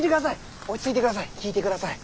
落ち着いてください。